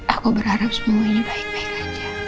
aku berharap semuanya baik baik aja